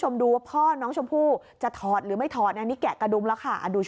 โหน่าเกลียดอยู่